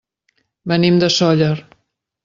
Venim de Sóller.